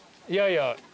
いやいや。